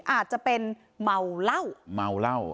อาจจะเป็นเมาเหล้า